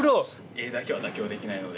絵だけは妥協できないので。